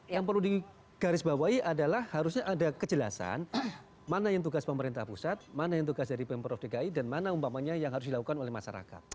yang perlu digarisbawahi adalah harusnya ada kejelasan mana yang tugas pemerintah pusat mana yang tugas dari pemprov dki dan mana umpamanya yang harus dilakukan oleh masyarakat